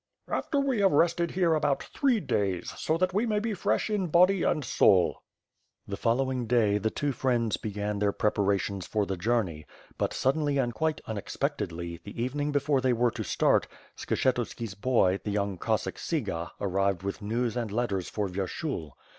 "After we have rested here about three days, so that we may be fresh in body and soul." The following day, the two friends began their prepara tions for the journey, but, suddenly and quite unexpectedly, the evening before they were to start, Skshetuski's boy, the young Cossack Cyga arrived with news and letters for Vyer shul.